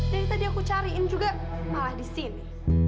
dari tadi aku cariin juga malah di sini